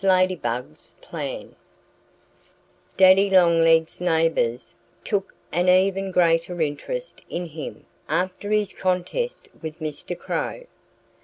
LADYBUG'S PLAN DADDY LONGLEGS' neighbors took an even greater interest in him, after his contest with Mr. Crow.